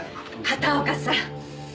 片岡さん！